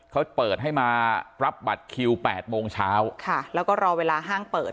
เขาเปิดให้มารับบัตรคิวแปดโมงเช้าค่ะแล้วก็รอเวลาห้างเปิด